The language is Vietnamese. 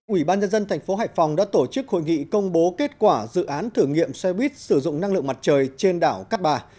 ủy ban nhân dân thành phố hải phòng đã tổ chức hội nghị công bố kết quả dự án thử nghiệm xe buýt sử dụng năng lượng mặt trời trên đảo cát bà